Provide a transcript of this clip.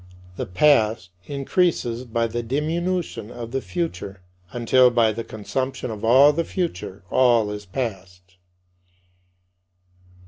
The past increases by the diminution of the future until by the consumption of all the future all is past.